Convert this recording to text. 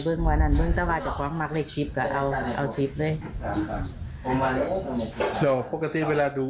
บอกท่านตอบเบิ้งค่ะท่านตอบเบิ้งตาเลกค่ะที่มักตัวอะไรรักท่านก็เอาแบบนั้น